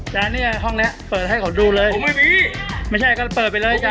เนี้ยห้องเนี้ยเปิดให้เขาดูเลยผมไม่มีไม่ใช่ก็เปิดไปเลยจ้